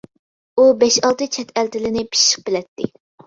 ئۇ بەش ئالتە چەت ئەل تىلىنى پىششىق بىلەتتى.